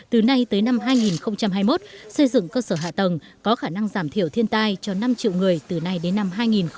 từ nay tới năm hai nghìn hai mươi một xây dựng cơ sở hạ tầng có khả năng giảm thiểu thiên tai cho năm triệu người từ nay đến năm hai nghìn ba mươi